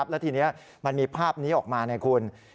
แล้วทีนี้มันมีภาพนี้ออกมาไงคุณ